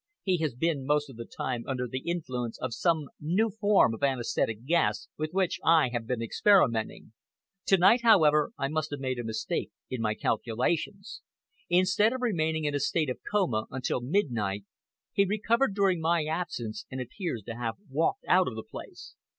"He has been most of the time under the influence of some new form of anaesthetic gas with which I have been experimenting. To night, however, I must have made a mistake in my calculations. Instead of remaining in a state of coma until midnight, he recovered during my absence and appears to have walked out of the place."